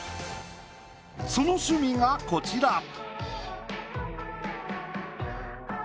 その趣味がこちら。